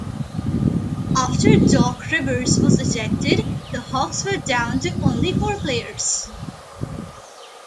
After Doc Rivers was ejected, the Hawks were down to only four players.